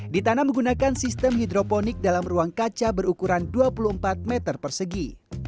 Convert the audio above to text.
ditanam menggunakan sistem hidroponik dalam ruang kaca berukuran dua puluh empat meter persegi